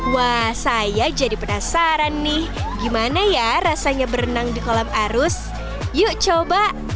wah saya jadi penasaran nih gimana ya rasanya berenang di kolam arus yuk coba